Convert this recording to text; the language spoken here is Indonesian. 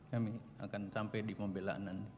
kami akan sampai di pembelahanan